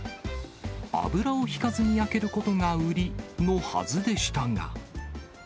油を引かずに焼けることが売りのはずでしたが。